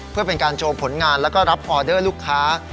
เพื่อเป็นการโชว์ผลงานแล้วก็รับออเดอร์ลูกค้า